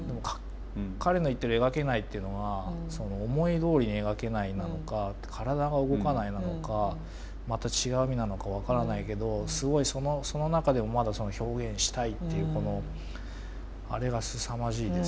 彼の言ってる「描けない」っていうのは思いどおりに描けないなのか体が動かないなのかまた違う意味なのか分からないけどすごいその中でもまだ表現したいっていうあれがすさまじいですよね